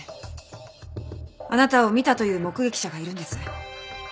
あなたを見たという目撃者がいるんです。